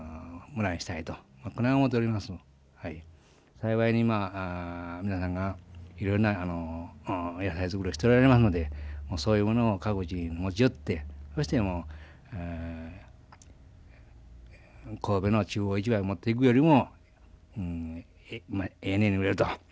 幸いに今皆さんがいろんな野菜作りをしておられますのでそういうものを各自持ち寄ってそして神戸の中央市場へ持っていくよりもええ値で売れると。